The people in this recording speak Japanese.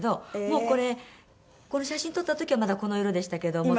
もうこれこの写真撮った時はまだこの色でしたけども。